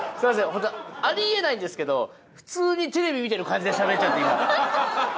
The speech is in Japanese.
ホントあり得ないんですけど普通にテレビ見てる感じでしゃべっちゃって今。